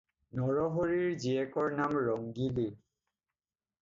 নৰহৰিৰ জীয়েকৰ নাম ৰংগিলী।